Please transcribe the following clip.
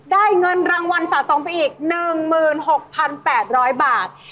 ได้เงินรางวัลสะสมไปอีก๑๖๘๐๐บาท